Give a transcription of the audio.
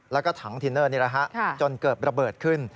แล้วก็ถังทินเนอร์นี่แหละฮะจนเกิดระเบิดขึ้น